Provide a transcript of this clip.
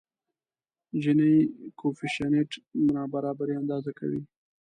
جیني کویفشینټ نابرابري اندازه کوي.